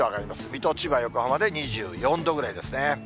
水戸、千葉、横浜で２４度ぐらいですね。